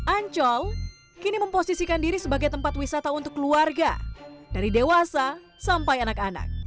ancol kini memposisikan diri sebagai tempat wisata untuk keluarga dari dewasa sampai anak anak